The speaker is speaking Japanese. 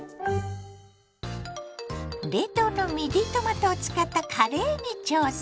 冷凍のミディトマトを使ったカレーに挑戦。